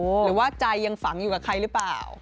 หรือว่าใจยังฝังอยู่กับใครหรือเปล่า